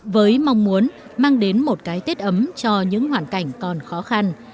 với mong muốn mang đến một cái tết ấm cho những hoàn cảnh còn khó khăn